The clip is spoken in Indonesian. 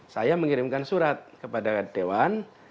saya mengirimkan surat kepada dewan